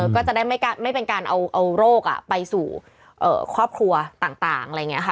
ก็จะได้ไม่เป็นการเอาโรคไปสู่ครอบครัวต่างอะไรอย่างนี้ค่ะ